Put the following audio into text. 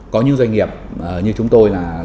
có những doanh nghiệp như chúng tôi